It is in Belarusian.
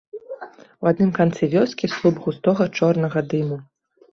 У адным канцы вёскі слуп густога чорнага дыму.